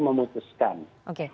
dari yang sudah dikira